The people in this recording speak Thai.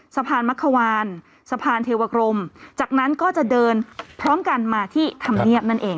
สะพานมักขวานสะพานเทวกรมจากนั้นก็จะเดินพร้อมกันมาที่ธรรมเนียบนั่นเอง